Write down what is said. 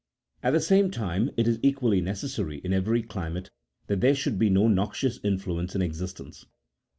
At the same time it is equally necessary in every climate that there should be no noxious influence in existence.